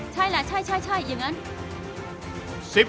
ใช่แหละใช่อย่างนั้น